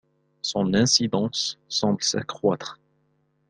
Son incidence semble s'accroître.